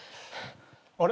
あれ？